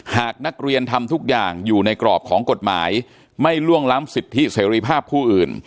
หากนักเรียนทำทุกอย่างอยู่ในกรอบของกฎหมายไม่ล่วงล้ำสิทธิเสรีภาพผู้อื่น